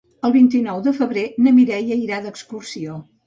El vint-i-nou de febrer na Mireia irà d'excursió.